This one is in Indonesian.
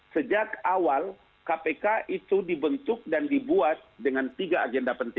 sejak awal kpk itu dibentuk dan dibuat dengan tiga agenda penting